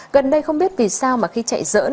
gần đây không biết vì sao mà khi chạy dỡn